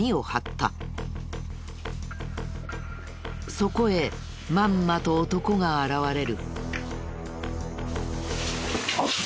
そこへまんまと男が現れる。